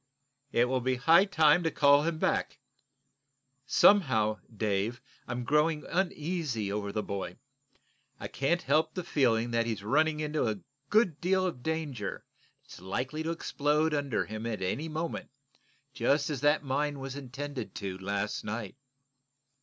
"It will be high time to call him back. Somehow, Dave, I'm growing uneasy over the boy. I can't help the feeling that he's running into a good deal of danger that's likely to explode under him at any moment, just as that mine was intended to last night."